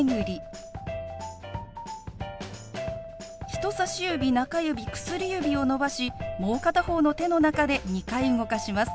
人さし指中指薬指を伸ばしもう片方の手の中で２回動かします。